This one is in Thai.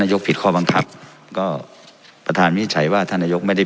ยกผิดข้อบังคับก็ประธานวินิจฉัยว่าท่านนายกไม่ได้